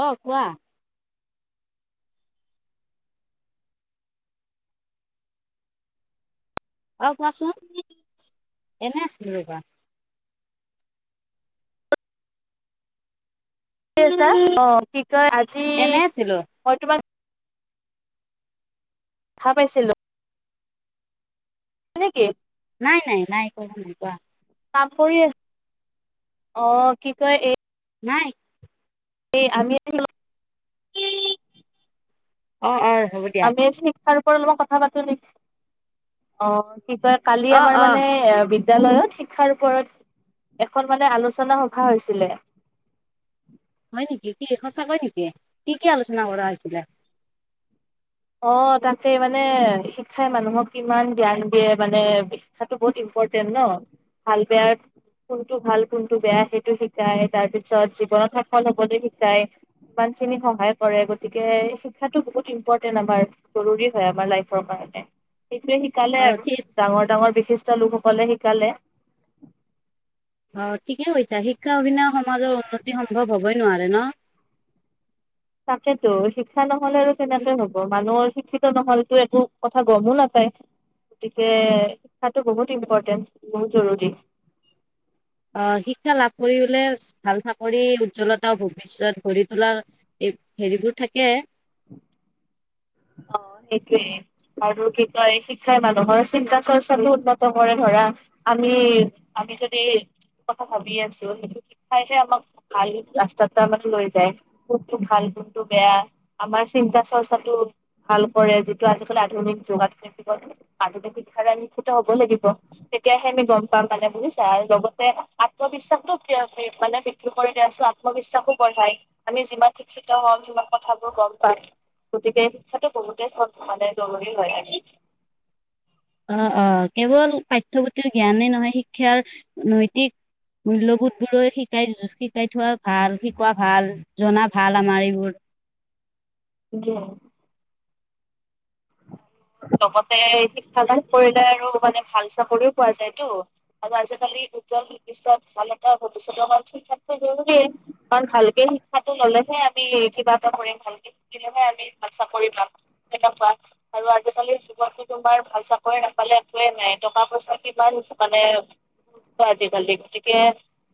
অহ কোৱা অ কোৱাচোন এনেই আছিলোঁ ৰবা এনেই আছা কি আজি এনে আছিলো মই তোমাৰ খা পাইছিলো হয় নেকি নাই নাই নাই একো নাই কোৱা কাম কৰি অ কি কয় এই। নাই। এই আমি আছিল। অ, অ। হ'ব দিয়া আমি আচি। তাৰ ওপৰত অলপত কথা পাতো নেকি অ। কি কয় কালি অ আমাৰ অ মানে এ। বিদ্যালয়ত শিক্ষাৰ ওপৰত এখন মানে আলোচনা সভা হৈছিলে। হয় নেকি কি সঁচা কৈ নেকি কি কি আলোচনা কৰা হৈছিলে। অ তাকে মানে শিক্ষাই মানুহক কিমান জ্ঞান দিয়ে। মানে শিক্ষাটো বহুত ইম্পৰ্টেণ্ট ন ভাল বেয়াৰ কোনটো ভাল কোনটো বেয়া সেইটো শিকাই তাৰপিছত জীৱনত সফল হবলৈ শিকাই ইমানখিনি সহায় কৰে। গতিকে শিক্ষাটো বহুত ইম্পৰ্টেণ্ট। আমাৰ জৰুৰী হয় আমাৰ লাইফৰ কাৰণে। সেইটোৱে অ শিকালে আৰু ঠিক ডাঙৰ ডাঙৰ বিশিষ্ট লোকসকলে শিক। তেতিয়াহলে। অ ঠিকে কৈছা শিক্ষা অবিহনে সমাজৰ উন্নতি সম্ভৱ হবই নোৱাৰে ন। তাকেতো শিক্ষা ন। হ'লে আৰু তেনেকে হ'ব মানুহৰ। শিক্ষিত নহলেতো একো কথা গমো নাপায়। গতিকে শিক্ষটো বহুত ইম্পৰ্টেণ্ট বহুত জৰুৰী। অ শিক্ষা লাভ কৰিবলে ভাল চাকৰি উজ্জ্বলতা ভৱিষ্যত গঢ়ি তোলাৰ হেৰিবোৰ থাকে। উ [unintelligible] অ সেইটোৱেই আৰু কি কয় শিক্ষাই মানুহৰ চিন্তা চৰ্চাটো উন্নত কৰে ধৰা। আমি আমি যদি কথা ভাবি আছো। সেইটো শিক্ষাইহে আমাক ভাল ৰাস্তা মানে লৈ যায়। কোনটো ভাল কোনটো বেয়া আমাৰ চিন্তা চৰ্চাটো। ভাল কৰে যিটো আজিকালি আধুনিক যুগত থাকিব। আধুনিক শিক্ষাৰে শিক্ষিত হব লাগিব। তেতিয়াহে আমি গম পাম। মানে বুজিছা আৰু লগতে আত্মবিশ্বাসো আ মানে বৃদ্ধি কৰি আছো আত্মবিশ্বাসো বঢ়াই আমি যিমান শিক্ষিত হম সিমান কথাবোৰ গম পাম। গতিকে সেই টো বহুতে চব মানে জৰুৰী হয় ন। অ অ কেৱল পাঠ্যপুথিৰ জ্ঞানেই নহয়, শিক্ষাৰ নৈতিক মূল্যবোধবোৰো শিকাই শিকাই থোৱা ভাল শিকোৱা ভাল জনা ভাল আমাৰ এইবোৰ। কে, লগতে শিক্ষা লাভ কৰিলে আৰু মানে ভাল চাকৰিও পোৱা যায়তো। আৰু আজিকালি উজ্জ্বল ভৱিষ্যত ভাল এটা ভৱিষ্যতৰ বাবে দেই কাৰণ ভালকে শিক্ষাটো ললেহে আমি কিবা এটা কৰিম ভালকে শিকিলেহে আমি ভাল চাকৰি পাম পোৱা আৰু। আজিকালি যগত তোমাৰ ভাল চাকৰি নাপালে একোৱেই নাই টকা পইচা কিমান মানে আজিকালি গতিকে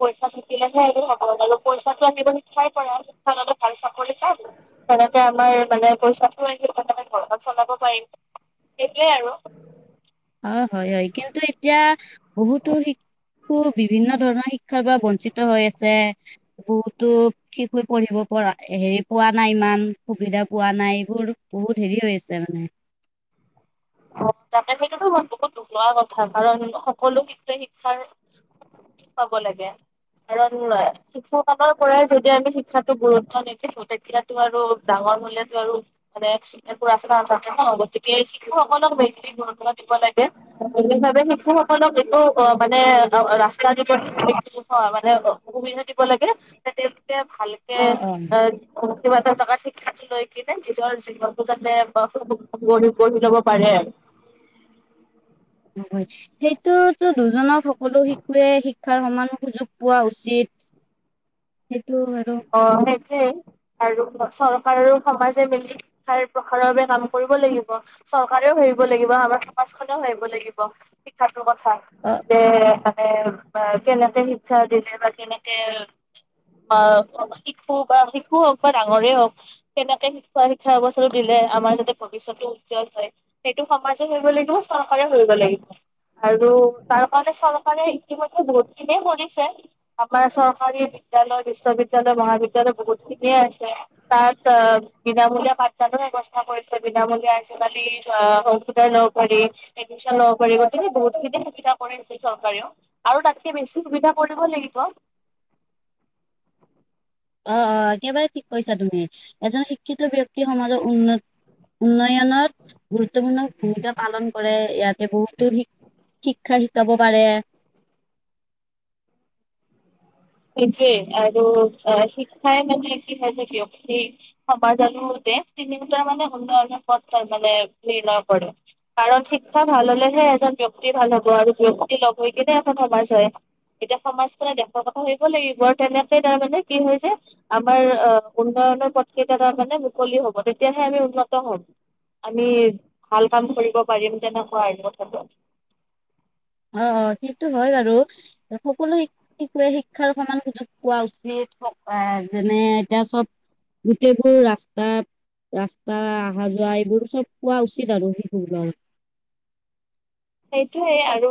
পইচা থাকিলেহে এইটো হব ন পইচাটো আনিবই পাৰে। আৰু শিক্ষাললে ভাল চাকৰি পাল তেনেকতো আমাৰ মানে পইচাটো আহ তেনে ঘৰখন চলাব পাৰিম। সেইটোৱে আৰু। অ হয় হয় কিন্তু এতিয়া। বহুতো শিশু বিভিন্ন ধৰণৰ শিক্ষাৰ পৰা বঞ্চিত হৈ আছে। বহুতো শিশুৱে পঢ়িব পৰা হেৰি পোৱা নাই ইমান সুবিধা পোৱা নাই এইবোৰ বহুত হেৰি হৈ আছে মানে। অ তাকে সেইটোতো ই বহুত দুখ লোৱা কথা কাৰণ সকলো শিক্ষাৰ পাব লাগে। কাৰণ শিহু সকলৰ পৰাই যদি আমি শিক্ষাতো গুৰুত্ব নিদিছো তেতিয়াটো আৰু ডাঙৰ মূল্য়তটো আৰু মানে পুৰা চা নাথাকে ন গতিকে। শিশু সকলক ব্যত্তিক গুৰুতা দিব লাগে, বিশেষভাৱে শিশু সকলক একটো মানে ৰাস্তা দিব মানে সুবিধা দিব লাগে যাতে ভালকে অ অ এ কিবা এটা জ শিক্ষাটো লৈ কিনে নিজৰ জীৱনটো যাতে গৈঢ়িলব পাৰে আৰু। সেইটোতো দুজনৰ শিশুৱে শ শিক্ষাৰ সমান সুযোগ পোৱা উচিত। সেইটো আৰু অ সেইটোৱেই, আৰু চৰকাৰ আৰু সমাজে মিলি শিক্ষাৰ প্ৰসাৰৰ বাবে কাম কৰিব লাগিব। চৰকাৰেও হেৰিব লাগিব আমাৰ সমাজখনেও হেৰিব লাগিব, শিক্ষা কথা, অ যে কেনেকে শিক্ষা দিলে বা কেনেকে শিশু বা শিশু হওক বা ডাঙৰে হওক কেনেকে শিকোৱা শিক্ষা অৱস্থাটো দিলে আমাৰ যাতে ভৱিষ্যতটো উজ্জ্বল হয়। সেইটো সমাজে ভাবিব লাগিব চৰকাৰেও ভাবিব লাগিব, আৰু তাৰ কাৰণে চৰকাৰে ইতিমধে বহুত খিনিয়ে কৰিছে আমাৰ চৰকাৰী বিদ্যালয়ত বিশ্ববিদ্য়ালয় মহাবিদ্যয়ালয় বহুত খিনিয়ে আছে, তাত বিনামূলীয়া পাঠদানৰ বেৱস্থা কৰিছে বিনামূলীয়া আজিকালি কম্পিউটাৰ লব পাৰি এডমিন লব পাৰি গতিকে বহুতখিনি সুবিধা কৰিছে চৰকাৰেও, আৰু তাতকে বেছি সুবিধা কৰিদিব লাগিব। আহ অ একেবাৰে ঠিক কৈছা তুমি, এজন শিক্ষিত বিয়ক্তয়ে সমাজৰ উন্ন-উন্নয়নত গুৰুত্বপূৰ্ণ ভূমিকা পালন কৰে ইয়াতে বহুতো শিক্ষ-শিক্ষা শিকাব পাৰে। সেইটোৱেই আৰু অ শিক্ষাই মানে কি হয় যে বিয়ক্তি সমাজ আৰু তিনিটাাৰ মানে উন্নয় পথ মানে নিৰ্ণয় কৰে। কাৰণ শিক্ষা ভাল হলেহে এজন বিয়ক্তি ভাল হব আৰু বিয়ক্তি লগ হৈ কিনে এখন সমাজ হয়। এতিয়া সমাজখনে দেখৰ ভাবিব লাগিব আৰু তেনেকে তাৰমানে কি হয় যে আমাৰ আহ উন্নয়নৰ পথ কেইটা তাৰ মানে মুকলি হব তেতিয়াহে আমি উন্নত হম, আমি ভাল কাম কৰিব পাৰিম তেনেকুৱা আৰু কথাটো। অ সেইটো হয় বাৰু সকলো শিশুৱে শিক্ষাৰ সমান সুযোগ পোৱা উচিত, এ যেনে এতিয়া চব গোটেইবোৰ ৰাস্তাত ৰাস্তা অহা যোৱা এইবোৰ চব পোৱা উচিত আৰু শিশুবিলাকে সেইটোয়ে আৰু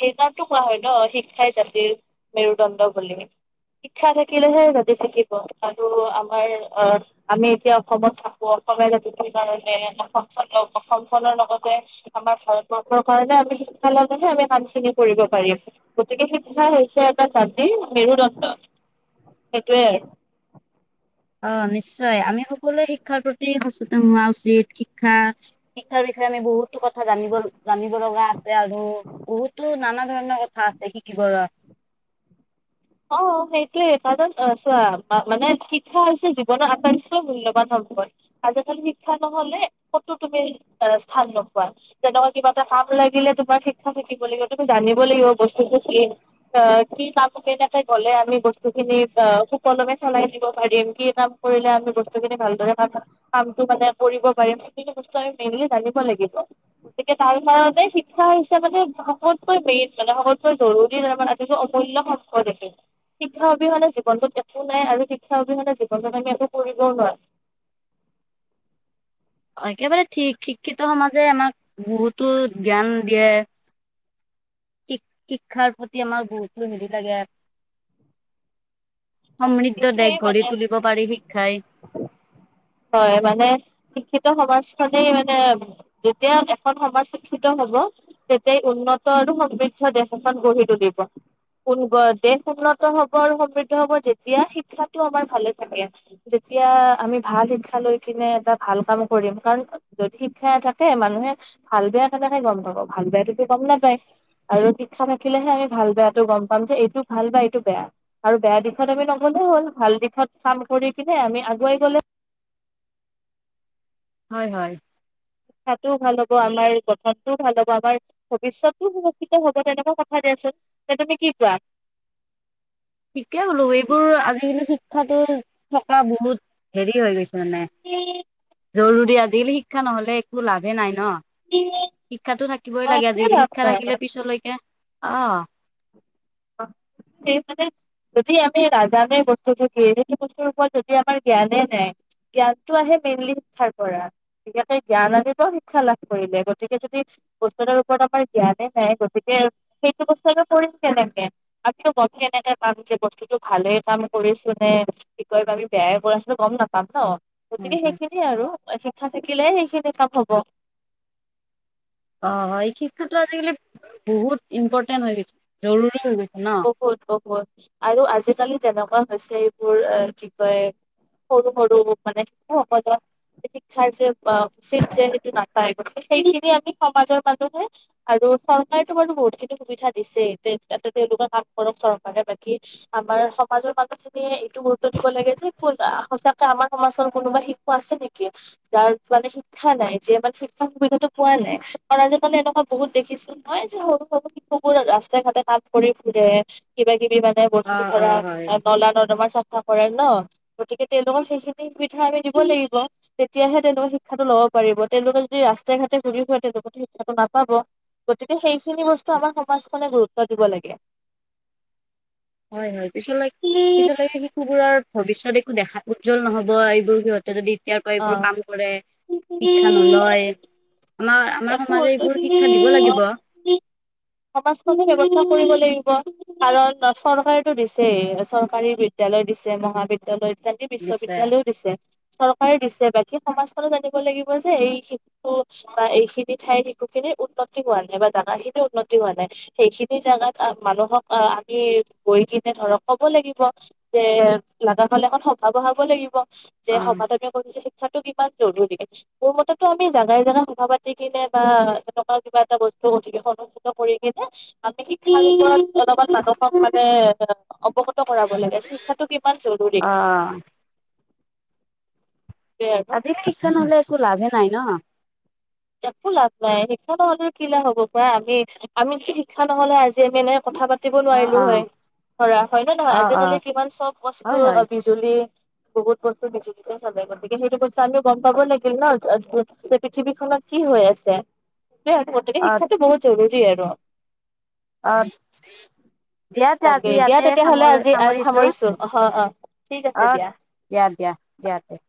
সেইকাৰটো কোৱা হয় ন শিক্ষাই জাতিৰ মেৰুদণ্ড বুলি। শিক্ষা থাকিলেহে জাতি থাকিব আৰু আমাৰ অ আমি এতিয়া অসমত থাকো অসমীয়া জাতিটোৰ কাৰণে অসমখন অসম খনৰ লগতে আমাৰ ভাৰত কাৰণে আমি শিক্ষা লেহে আমি কামখিনি কৰিব পাৰিম গতিকে শিক্ষা হৈছে এটা জাতিৰ মেৰুদণ্ড। সেইটোৱে আৰু। অ নিশ্চয়, আমি সকলোৱে শিক্ষাৰ প্ৰতি সচেতন হোৱা উচিত। শিক্ষা-শিক্ষাৰ বিষয়ে আমি বহুতো কথা জানিব জানিব লগা আছে। আৰু বহুতো নান ধৰণৰ কথা আছে শিকিবৰ। অ' সেইটোৱে কাৰণ অ' চোৱা মানে শিক্ষা হৈছে জীৱনৰ আটাইকৈ মূল‌‌য়বান সম্পয়। আজিকালি শিক্ষা নহলে কতো তুমি স্থান নোপোৱা যেনেকুৱা কিবা এটা কাম লাগিলে তোমাৰ শিক্ষা থাকিব লাগিব তুমি জানিব লাগিব বস্তুোৰ কি আহ কি কাম কেনে গলে আমি বস্তুখিনি সুকলমে চলাই দিব পাৰিম, কি কাম কৰিলে আমি বস্তুখিনি ভালদৰে কামটো মানে কৰিব পাৰিম? সেইখিনি বস্তু আমি মেইনলি জানিব লাগিব, গতিকে তাৰ কাৰণে শিক্ষা হিচাপানে সতকৈ মেইন মানে সতকৈ জৰুৰী আটাইতকৈ অমূল্য অ দেখি শিক্ষা অবিহনে জীৱনটোত একো নাই আৰু শিক্ষা অবিহনে জীৱনটোত আমি একো কৰিবও নোৱাৰী। একেবাৰে ঠিক শিক্ষিত সমাজে আমাক বহুতো জ্ঞান দিয়ে। শিক্ষ-শিক্ষাৰ প্ৰতি আমাক বহুতো নিদ লাগে সমৃদ্ধ এইটোয়ে দেশ গঢ়ি মানে তুলিব পাৰি শিক্ষাই। হয় মানে, শিক্ষিত সমাজখনেই মানে যেতিয়া এখন সমাজ শিক্ষিত হব তেতিয়াই উন্নত আৰু সমৃদ্ধ দেশ এখন গঢ়ি তুলিব, কোন দেশ উন্নত হব আৰু সমৃদ্ধ হব যেতিয়া শিক্ষাটো আমাৰ ভালে থাকে যেতিয়া আমি ভাল শিক্ষা লৈ কিনে এটা ভাল কাম কৰিম কাৰণ যদি শিক্ষা নাথাকে, মানুহে ভাল-বেয়া কেনেকে গম পাব? ভাল বেয়াটোতো গম নোপায়, আৰু শিক্ষা থাকিলেহে আমি ভাল-বেয়াটো গম পাম যে এইটো ভাল বা এইটো বেয়া, আৰু বেয়া দিশত আমি নগলে হ'ল ভাল দিশত কাম কৰি কিনে আমি আগুৱাই গলে হয়-হয় শিক্ষাটোও ভাল হব আমাৰ গঠনটোও ভাল হব আমাৰ ভৱিষ্যতও সুৰক্ষিত হব তেনেকুৱা কথা দিয়াচোন। তে তুমি কি কোৱা? ঠিকে বোলো এইবোৰ আজি কিন্তু ঠিক থাক থকা বহুত হেৰি হৈ গৈছে মানে উম জৰুৰী আজিকালি শিক্ষা নহলে একো লাভে নাই ন? শিক্ষাতো থাকিবই অ' লাগে একোৱে আজিকালি, লাভ শিক্ষা নাই। থাকিলে পিছলৈকে অ সেই মানে যদি আমি নাজানে বস্তুটো কি, সটো বস্তুৰ ওপৰত যদি আমাৰ জ্ঞানে নাই, জ্ঞানটো আহে মেইনলি শিক্ষাৰ পৰা, বিশেষকে জ্ঞান আজিতও শিক্ষা লাভ কৰিলে গতিকে যদি বস্তুতৰ ওপৰত আমাৰ জ্ঞানে নাই গতিকে সেইটো বস্তু আটা কৰিম কেনেকে আৰু ক গমি এনেকে পাম যে বস্তুতটো ভালে কাম কৰিছো নে কি ক আমি বেয়াই কৰি আছিলো গম নাপাম ন? হয় গতিকে হয় সেইখিনিয়ে আৰু ইচা থাকিলে সেইখিনি কাম হব অ এই শিক্ষাটো আজিকালি বহুত ইম্পৰ্টেণ্ট হৈ গৈছে জৰুৰী হৈ গৈছে ন বহুত বহুত আৰু আজিকালি যেনেকুৱা হৈছে এইবোৰ এ কি কয় সৰু সৰু মানে শিশুসকলক শিক্ষাৰ যে উচিত যে সেইটো নাপায় গতিকে সেইখিনি আমি সমাজৰ মানুহে আৰু চৰকাৰেতো বাৰু বহুতখিনি সুবিধা দিছে তাতে তেওঁলোকে কাম কৰক চৰকাৰে বাকী আমাৰ সমাজৰ মানুহখিনিয়ে এইটো গুৰুত্ব দিব লাগে যে ক সঁচাকে আমাৰ সমাজৰ কোনোবা শিশু আছে নেকি, যাৰ মানে শিক্ষা নাই যিয়ে মানে শিক্ষাৰ সুবিধাটো পোৱা নাই কাৰণ আজি কালে এনেকুৱা বহুত দেখিছো নহয় যে সৰু সৰু শিশু বোৰ ৰাস্তাই ঘাটে কাম কৰি ফুৰে কিবা কিবি মানে বস্ত অ অ ধৰা হয় নলা নদমা চব কৰে ন গতিকে তেওঁলোকক সেইখিনি সুবিধা আমি দিব লাগিব তেতিয়াহে তেওঁলোকে শিক্ষাটো লব পাৰিব তেওঁলোকে যদি ৰাস্তাই ঘাটে ঘূৰি ঘৰে তেওঁলোকো শিক্ষাটো নাপাব গতিকে সেই সেইখিনি বস্তু আমাৰ সমাজখনে গুৰুত্ব দিব লাগে হয় হয় পিছলে পিছলে শিশুবোৰৰ ভৱিষ্যত একো দেখা উজ্জ্বল নহব এইবোৰ সিহঁতে যদি এতিয়াৰ পৰা অ এইবোৰ কাম কৰে শিক্ষা নলয় আমাৰ আমাৰ একো অ সমাজে এইবোৰ শিক্ষা দিব লাগিব সমাজখনে ব্যৱস্থা কৰিব লাগিব কাৰণ চৰকাৰতো দিছে চৰকাৰী বিদ্যালয় দিছে মহাবিদ্যালয় জাতি নিশ্চয় বিশ্ববিদ্যালয়ও দিছে চৰ হয় দিছে বাকী সমাজখনো জানিব লাগিব যে এই শিশুটো বা এই সেই খিনি ঠাইৰ শিশু খিনিৰ উন্নতি হোৱা নাই বা জোগা খিনিৰ উন্নতি হোৱা নাই। সেইখিনি জোগাত মানুহক আহ আমি গৈ কিনে ধৰক কব লাগিব যে লগা হালে অকণ সভা বঢ়াব লাগিব। যে অ সভাততে অকল শিক্ষাত কিমান জৰুৰী মোৰ মতেতো আমি জাগাই জাগাই সভা পাতি কিনে বা তেনেকুৱাও কিবা এটা বস্তু অধিবেশন অনুষ্ঠিত কৰি কিনে আমি শিক্ষা বিভাগ অলপমান সাদশক মানে অৱগত কৰাব লাগে যে শিক্ষাটো কিমান জৰুৰী অ সেইটোৱে আৰু আজি শিক্ষা নহলে একো লাভে নাই ন একো লাভ নাই শিক্ষা নহলেও কি লাভ হ'ব পা আমি আমিতো শিক্ষা নহ'লে আজি আমি এনে কথা পাতি পাতিব অ নোৱাৰিলো অ হয় ধৰা হয়নে নহয় অ আজি অ কালি কিমান চব বস্তু হয় হয় বিজুলী বহুত বস্তু বিজুলীতে চলে গতিকে সেইটো বস্তু আমি গম পাব লাগে ন পৃথিৱী খনত কি হৈ আছে টে অ শিক্ষাটো বহুত জৰুৰি আৰু। অ দিয়া তে তাকে আজি দিয়া ইয়াতে তেতিয়াহ'লে সামৰি আজি সামৰিছো অ অ ঠিক আছে অ দিয়া দিয়া দিয়া দিয়া তে